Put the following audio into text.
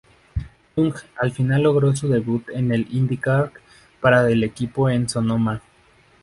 Tung al final logró su debut en la IndyCar para el equipo en Sonoma.